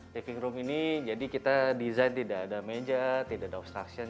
taving room ini jadi kita desain tidak ada meja tidak ada obstruction